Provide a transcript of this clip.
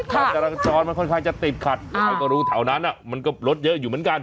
การจราจรมันค่อนข้างจะติดขัดใครก็รู้แถวนั้นมันก็รถเยอะอยู่เหมือนกัน